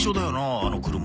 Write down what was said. あの車。